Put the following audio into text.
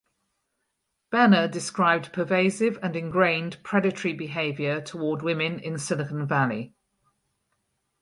Benner described pervasive and ingrained predatory behavior toward women in Silicon Valley.